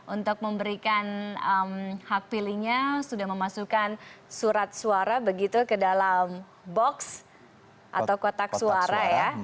untuk memberikan hak pilihnya sudah memasukkan surat suara begitu ke dalam box atau kotak suara ya